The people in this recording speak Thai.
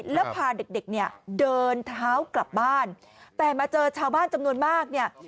แล้วพาเด็กเนี่ยเดินเท้ากลับบ้านแต่มาเจอชาวบ้านจำนวนมากเนี่ย